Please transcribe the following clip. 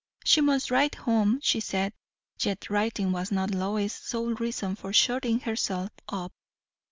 She must write home, she said. Yet writing was not Lois's sole reason for shutting herself up.